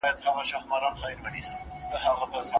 که ټوکران نه وي خلک به څه اغوندي؟